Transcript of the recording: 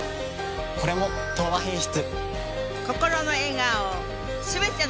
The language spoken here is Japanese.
これも「東和品質」。